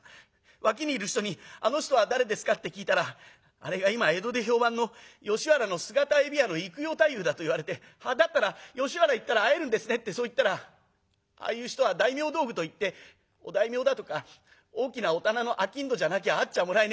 脇にいる人に『あの人は誰ですか？』って聞いたら『あれが今江戸で評判の吉原の姿海老屋の幾代太夫』と言われて『だったら吉原行ったら会えるんですね』ってそう言ったら『ああいう人は大名道具といって御大名だとか大きな御店の商人じゃなきゃ会っちゃもらえねえ。